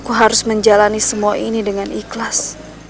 aku harus menjalani semua ini dengan ikhlas